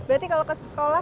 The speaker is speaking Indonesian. berarti kalau ke sekolah